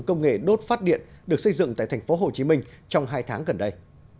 công nghệ đốt phát điện được xây dựng tại thành phố hồ chí minh trong hai tháng gần đây